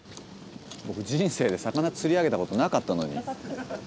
僕人生で魚釣り上げたことなかったのに。